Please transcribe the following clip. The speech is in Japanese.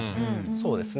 そうですね。